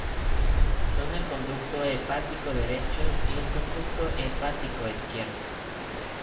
Son el conducto hepático derecho y el conducto hepático izquierdo.